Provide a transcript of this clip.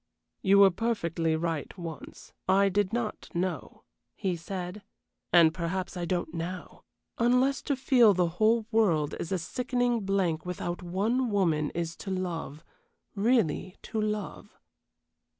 "You were perfectly right once. I did not know," he said; "and perhaps I don't now, unless to feel the whole world is a sickening blank without one woman is to love really to love."